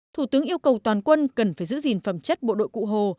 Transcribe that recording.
thủ tướng yêu cầu toàn quân cần phải giữ gìn phẩm chất bộ đội cụ hồ